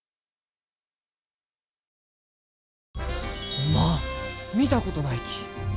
おまん見たことないき。